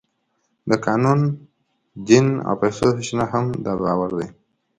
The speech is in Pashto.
د قانون، دین او پیسو سرچینه هم دا باور دی.